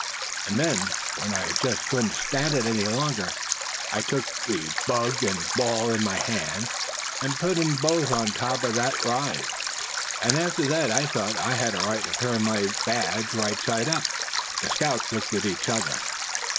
And then, when I just couldn't stand it any longer I took bug and ball in my hand, and put 'em both up on top of that rise. And after that I thought I had a right to turn my badge right side up!" The scouts looked at each other.